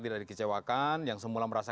tidak dikecewakan yang semula merasa